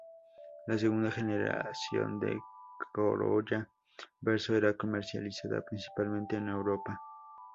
La segunda generación del Corolla Verso era comercializada principalmente en Europa.